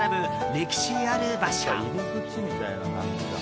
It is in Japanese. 歴史ある場所。